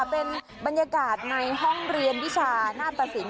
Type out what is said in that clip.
เป็นบรรยากาศในห้องเรียนวิชาหน้าตสิน